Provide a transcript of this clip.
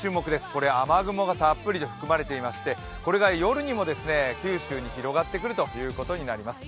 これ、雨雲がたっぷりと含まれていましてこれが夜にも九州に広がってくるということになります。